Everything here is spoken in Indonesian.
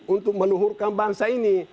untuk menuhurkan bangsa ini